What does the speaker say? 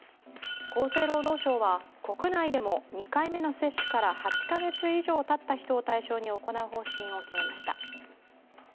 厚生労働省は国内でも２回目の接種から８カ月以上たった人を対象に行う方針を決めました。